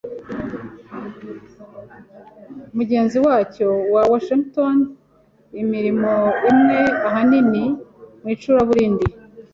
mugenzi wacyo wa Washington; imirimo imwe ahanini mu icuraburindi